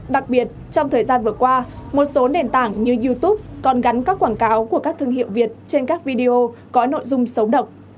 đặc biệt trong thời gian vừa qua một số nền tảng như youtube còn gắn các quảng cáo của các thương hiệu việt trên các video có nội dung xấu độc